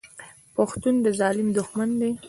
پښتون د ظالم دښمن دی.